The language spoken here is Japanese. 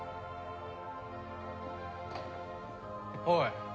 おい！